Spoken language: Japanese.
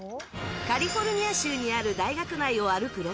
カリフォルニア州にある大学内を歩くロボット